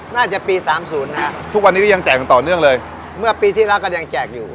น่าจะปี๓๐นะครับทุกวันนี้ก็ยังแจกต่อเนื่องเลยเมื่อปีที่แล้วก็ยังแจกอยู่